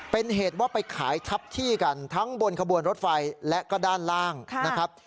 เป็นเหตุว่าไปขายทับที่กันทั้งบนขบวนรถไฟและก็ด้านล่างนะครับ